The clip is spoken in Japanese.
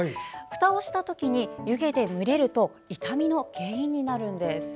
ふたをしたときに湯気で蒸れると傷みの原因になるんです。